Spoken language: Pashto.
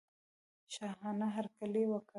شاهانه هرکلی وکړ.